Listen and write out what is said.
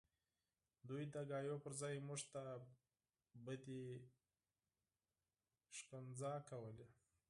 دوی د خبرو پرځای موږ ته بدې کنځلې کولې